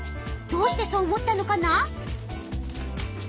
どうしてそう思ったのかな？